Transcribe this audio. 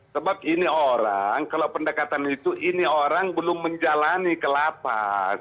sebab ini orang kalau pendekatan itu ini orang belum menjalani ke lapas